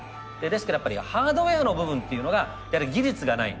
ですけどやっぱりハードウエアの部分っていうのがやはり技術がない。